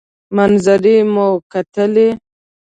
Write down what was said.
منظرې مو کتلې.